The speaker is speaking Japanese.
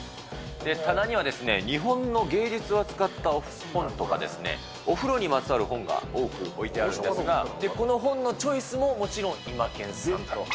棚には日本の芸術を扱った本とかですね、お風呂にまつわる本が多く置いてあるんですが、この本のチョイスももちろんイマケンさんと。